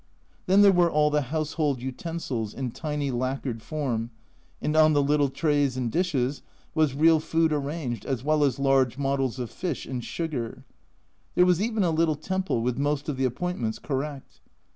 Then there were all the household utensils in tiny lacquered form, and on the little trays and dishes was real food arranged, as well as large models of fish in sugar. There was even a little temple, with most of the appointments correct.